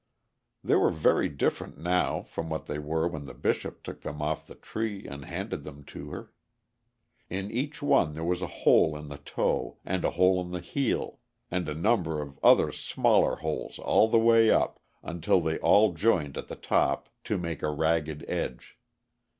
They were very different now from what they were when the Bishop took them off the tree and handed them to her. In each one there was a hole in the toe and a hole in the heel, and a number of other smaller holes all the way up, until they all joined at the top to make a ragged edge.